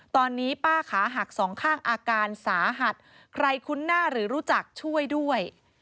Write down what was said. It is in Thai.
ตอนนี้ป้าขาหักสองข้างอาการสาหัสใครคุ้นหน้าหรือรู้จักช่วยด้วย